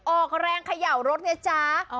ออกแรงขย่าวรถเนี้ยจ๊ะ